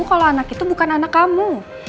kalau anak itu bukan anak kamu